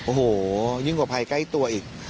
โอ้โหยิ่งกว่าภัยใกล้ตัวอีก